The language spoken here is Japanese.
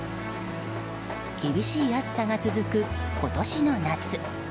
厳しい暑さが続く今年の夏。